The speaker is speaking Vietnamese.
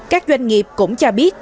các doanh nghiệp cũng cho biết